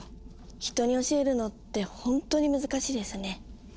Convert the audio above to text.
人に教えるのって本当に難しいですよね。